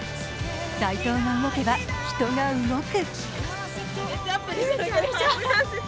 斎藤が動けば人が動く。